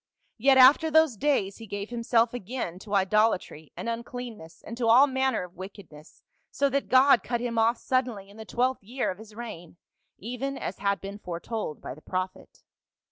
Yet after those days he gave himself again to idolatry and uncleanness and to all manner of wickedness, so that God cut him off sud denly in the twelfth year of his reign, even as had been foretold by the prophet."